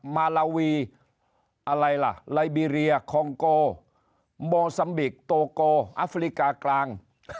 มาลาวีอะไรล่ะไลบีเรียคองโกโมซัมบิกโตโกอัฟริกากลาง